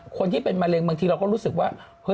คนที่เป็นมะเร็งบางทีเราก็รู้สึกว่า